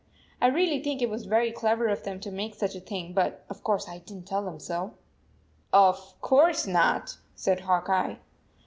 " I really think it was very clever of them to make such a thing, but of course I didn t tell them so/ " Of course not," said Hawk Eye.